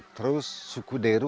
terus suku deru